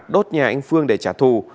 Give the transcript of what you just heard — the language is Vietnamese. đốt nhà anh phương để trả thù